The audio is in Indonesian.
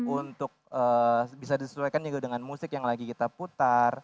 untuk bisa disesuaikan juga dengan musik yang lagi kita putar